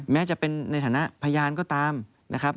แม้จะเป็นในฐานะพยานก็ตามนะครับ